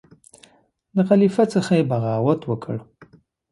د خلیفه څخه یې بغاوت وکړ.